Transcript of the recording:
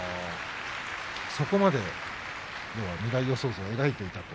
そこまで未来予想図を描いていたと。